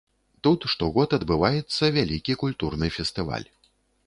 Тут штогод адбываецца вялікі культурны фестываль.